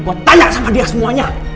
gue tanya sama dia semuanya